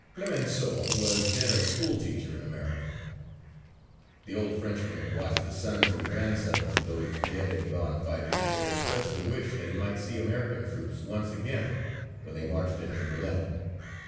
Clemenceau was then a school teacher in America. The old Frenchman watched the sons and grandsons of those dead and gone fighters and expressed the wish that he might see American troops once again when they marched into Berlin.